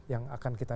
yang akan kita